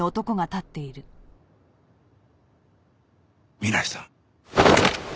南井さん。